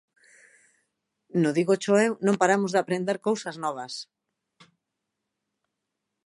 No 'DígochoEu' non paramos de aprender cousas novas.